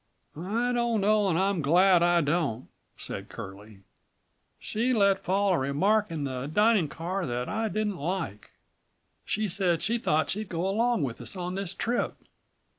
"I don't know and I'm glad I don't," said Curlie. "She let fall a remark in the dining car that I didn't like. She said she thought she'd go along with us on this trip.